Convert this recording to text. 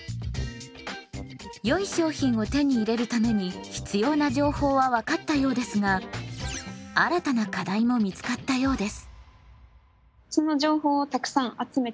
良い商品を手に入れるために必要な情報は分かったようですが新たな課題も見つかったようです。